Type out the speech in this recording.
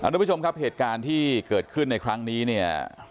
ด้วยผู้ชมครับเหตุการณ์ที่เกิดขึ้นในครั้งนี้